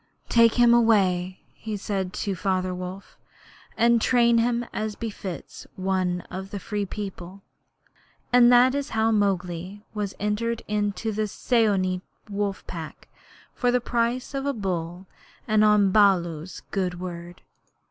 'Take him away,' he said to Father Wolf, 'and train him as befits one of the Free People.' And that is how Mowgli was entered into the Seeonee wolf pack for the price of a bull and on Baloo's good word.